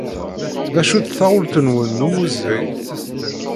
D acu-tt taɣult-nwen n ummuzzeg?